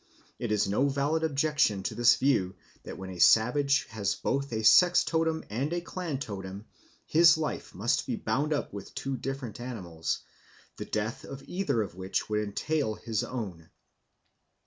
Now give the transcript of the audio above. It is no valid objection to this view that when a savage has both a sex totem and a clan totem his life must be bound up with two different animals, the death of either of which would entail his own.